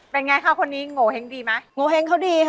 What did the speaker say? เป็นไงคะคนนี้โงเห้งดีไหมโงเห้งเขาดีค่ะ